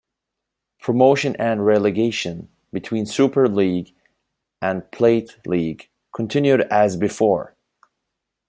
Promotion and relegation between Super League and Plate League continued as before.